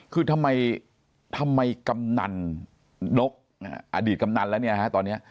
คือทำไมกำนันนกอดีตกำนันแล้วเนี่ยฮะตอนนี้